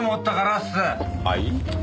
はい？